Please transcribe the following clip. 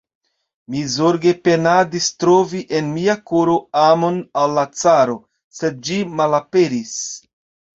Mi zorge penadis trovi en mia koro amon al la caro, sed ĝi malaperis!